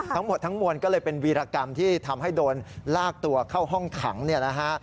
ทั้งหมดทั้งมวลก็เลยเป็นวีรกรรมที่ทำให้โดนลากตัวเข้าห้องขังเนี่ยนะฮะ